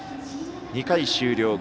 ２回終了。